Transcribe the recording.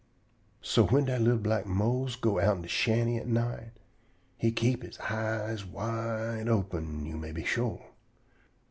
So whin dat li'l black Mose go' outen de shanty at night, he keep he eyes wide open, you may be shore.